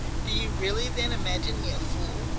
Do you really then imagine me a fool?